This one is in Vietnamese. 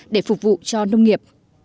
để phục vụ cho nông nghiệp